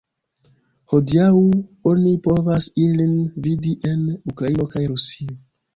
Hodiaŭ oni povas ilin vidi en Ukrainio kaj Rusio.